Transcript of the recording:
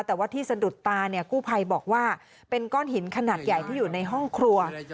แต่ว่าที่สะดุดตาเนี่ยกู้ภัยบอกว่าเป็นก้อนหินขนาดใหญ่ที่อยู่ในห้องครัว